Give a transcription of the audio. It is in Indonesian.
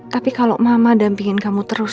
tapi kalau mama dampingin kamu terus